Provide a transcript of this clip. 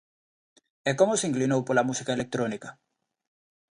E como se inclinou pola música electrónica?